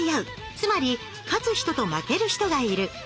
つまり勝つ人と負ける人がいる。